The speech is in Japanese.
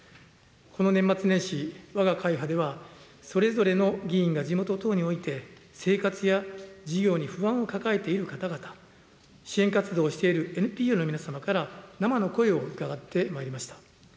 この年末年始、わが会派では、それぞれの議員が地元等において生活や事業に不安を抱えている方々、支援活動をしているＮＰＯの皆様から生の声を伺ってまいりました。